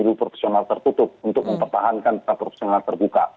jadi itu profesional tertutup untuk mempertahankan profesional terbuka